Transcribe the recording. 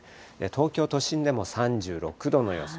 東京都心でも３６度の予想。